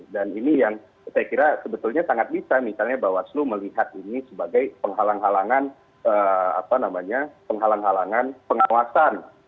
dan ini yang saya kira sebetulnya sangat bisa misalnya bawaslu melihat ini sebagai penghalang halangan pengawasan